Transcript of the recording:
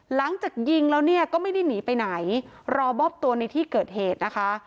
หลังจากยิงแล้วเนี่ยก็ไม่ได้หนีไปไหนรอมอบตัวในที่เกิดเหตุนะคะ